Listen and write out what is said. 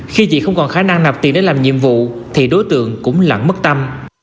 khi chị không còn khả năng nạp tiền để làm nhiệm vụ thì đối tượng cũng lặn mất tâm